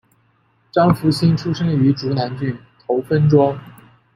张福兴出生于竹南郡头分庄。